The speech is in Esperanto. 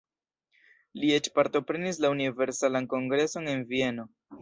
Li eĉ partoprenis la Universalan Kongreson en Vieno.